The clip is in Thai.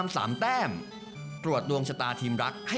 สวัสดีครับ